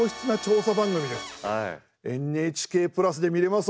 「ＮＨＫプラス」で見れます。